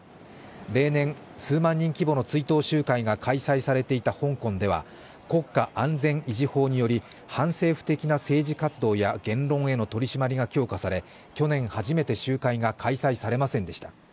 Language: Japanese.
例年、数万人規模の追悼集会が開催されていた香港では国家安全維持法により、反政府的な政府活動や言論への取り締まりが強化され、去年初めて集会が開催されませんでした。